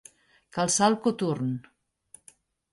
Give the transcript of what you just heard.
Calçar el coturn.